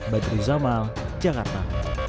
badri zama jakarta